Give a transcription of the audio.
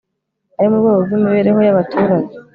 ari mu rwego rw'imibereho y'abaturage